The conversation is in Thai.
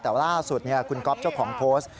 แต่ว่าล่าสุดคุณก๊อฟเจ้าของโพสต์